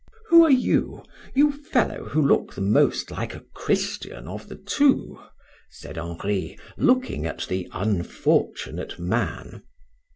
"Who are you you fellow who look the most like a Christian of the two?" said Henri, looking at the unfortunate man.